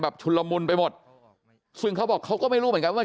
ชุนละมุนไปหมดซึ่งเขาบอกเขาก็ไม่รู้เหมือนกันว่า